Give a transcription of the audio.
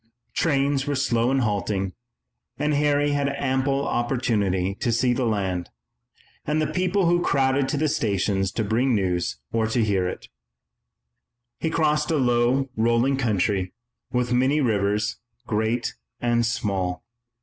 Trains were slow and halting, and Harry had ample opportunity to see the land and the people who crowded to the stations to bring news or to hear it. He crossed a low, rolling country with many rivers, great and small.